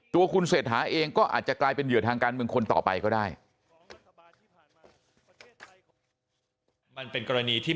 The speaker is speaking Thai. ตัวคุณเศรษฐาเองก็อาจจะกลายเป็นเหยื่อทางการเมืองคนต่อไปก็ได้